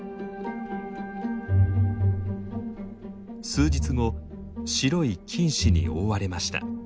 数日後白い菌糸に覆われました。